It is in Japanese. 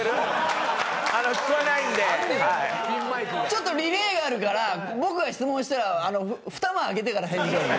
ちょっとディレイがあるから僕が質問したらふた間開けてから返事。